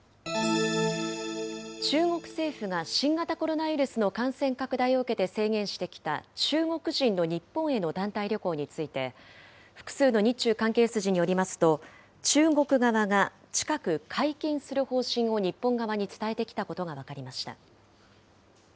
中国政府が、新型コロナウイルスの感染拡大を受けて制限してきた、中国人の日本への団体旅行について、複数の日中関係筋によりますと、中国側が近く解禁する方針を日本側に伝えてきたことが分かりました。